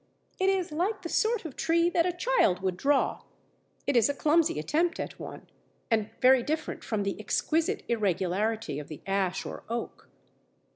It is like the sort of tree that a child would draw; it is a clumsy attempt at one, and very different from the exquisite irregularity of the ash or oak.